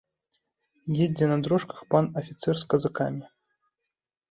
Едзе на дрожках пан афіцэр з казакамі.